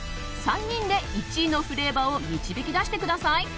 ３人で１位のフレーバーを導き出してください。